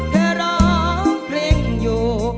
เธอร้องเพลงอยู่